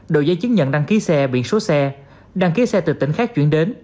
đổi dây chứng nhận đăng ký xe biển số xe đăng ký xe từ tỉnh khác chuyển đến